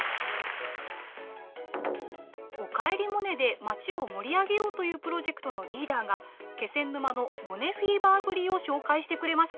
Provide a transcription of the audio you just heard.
「おかえりモネ」で町を盛り上げようというプロジェクトのリーダーが気仙沼のモネフィーバーぶりを紹介してくれました。